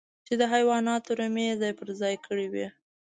چې د حيواناتو رمې يې ځای پر ځای کړې وې.